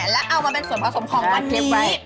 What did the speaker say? และเอามาเป็นส่วนผสมของมันเกลี้ย